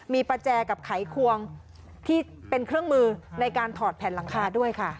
มีประแจกับไขควงที่เป็นเครื่องมือในการถอดแผ่นหลังคาด้วยค่ะ